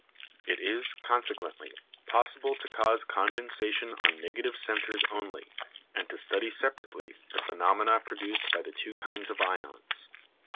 It is, consequently, possible to cause condensation on negative centres only, and to study separately the phenomena produced by the two kinds of ions.